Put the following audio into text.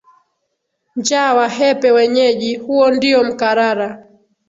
Njaa wahepe wenyeji, huo ndio mkarara,